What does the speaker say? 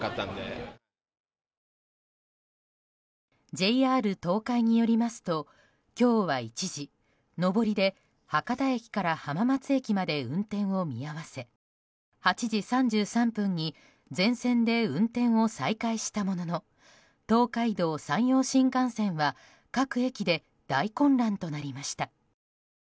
ＪＲ東海によりますと今日は一時、上りで博多駅から浜松駅まで運転を見合わせ８時３３分に全線で運転を再開したものの東海道・山陽新幹線は各駅で大混乱となりました。